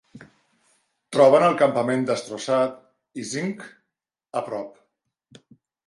Troben el campament destrossat i Zinj a prop.